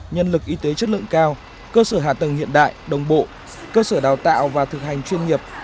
nhân lực y tế chất lượng cao cơ sở hạ tầng hiện đại đồng bộ cơ sở đào tạo và thực hành chuyên nghiệp